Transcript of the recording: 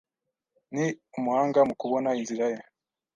Ni umuhanga mu kubona inzira ye.